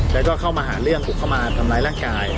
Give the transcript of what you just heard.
แล้วก็เข้ามาหาเรื่องบุกเข้ามาทำร้ายร่างกาย